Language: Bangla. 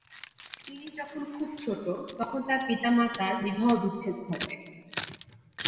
তিনি যখন খুব ছোট তখন তার পিতামাতার বিবাহবিচ্ছেদ ঘটে।